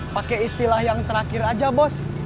pakai istilah yang terakhir aja bos